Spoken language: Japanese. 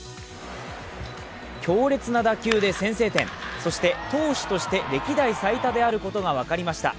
強烈な打球で先制点、そして投手として、歴代最多であることが分かりました。